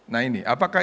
nah ini apakah